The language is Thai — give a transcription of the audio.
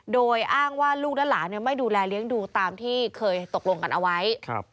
โดยอ้างว่าลูกล้านหลานไม่ดูแลเลี้ยงดูตามที่เคยต่อลงไว้